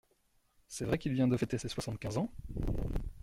C’est vrai qu’il vient de fêter ses soixante-quinze ans?